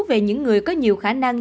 về những người có nhiều khả năng